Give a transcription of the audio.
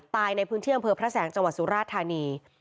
ตายในพื้นเที่ยงบริษัทแสงจังหวัดสุราชธานี